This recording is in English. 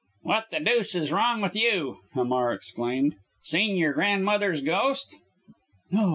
"What the deuce is wrong with you?" Hamar exclaimed. "Seen your grandmother's ghost?" "No!